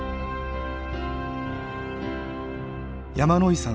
山野井さん